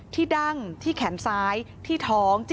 ดั้งที่แขนซ้ายที่ท้อง